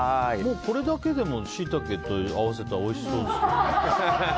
これだけでもシイタケと合わせたらおいしそうですけどね。